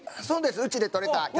そうですうちで採れた。